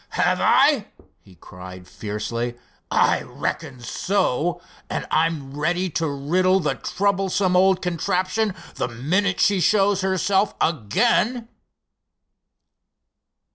"Have I?" he cried, fiercely. "I reckon so, and I'm ready to riddle the troublesome old contraption the minute she shows herself again!"